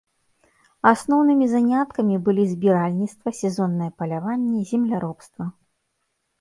Асноўнымі заняткамі былі збіральніцтва, сезоннае паляванне, земляробства.